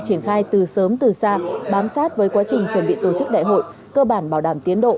triển khai từ sớm từ xa bám sát với quá trình chuẩn bị tổ chức đại hội cơ bản bảo đảm tiến độ